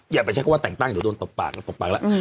อย่าไปใช้คำว่าแต่งตั้งเดี๋ยวโดนตบปากแล้วตบปากแล้ว